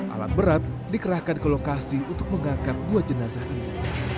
alat berat dikerahkan ke lokasi untuk mengangkat dua jenazah ini